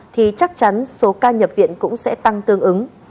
thì chắc chắn số ca nhập viện cũng sẽ tăng tương ứng